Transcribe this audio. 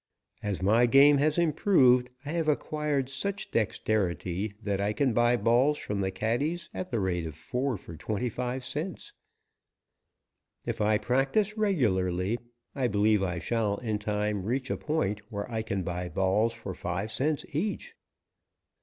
As my game has improved I have acquired such dexterity that I can buy balls from the caddies at the rate of four for twenty five cents. If I practise regularly I believe I shall in time reach a point where I can buy balls for five cents each.